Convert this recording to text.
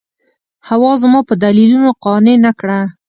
حوا زما په دلیلونو قانع نه کړه.